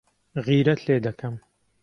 غیرەت لێ دەکەم.